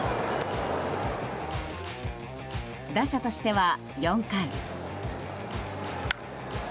打者としては４回。